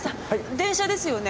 電車ですよね？